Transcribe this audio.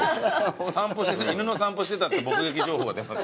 犬の散歩してたって目撃情報が出ます。